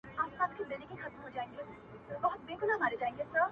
دوى خو!! له غمه څه خوندونه اخلي!!